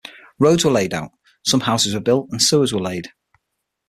Roads were laid out, some houses were built and sewers were laid.